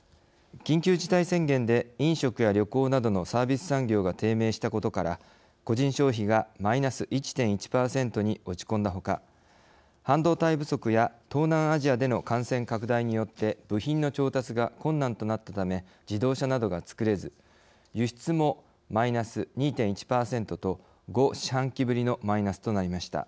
緊急事態宣言で飲食や旅行などのサービス産業が低迷したことから個人消費がマイナス１．１％に落ち込んだほか半導体不足や東南アジアでの感染拡大によって部品の調達が困難となったため自動車などが作れず輸出もマイナス２．１％と５四半期ぶりのマイナスとなりました。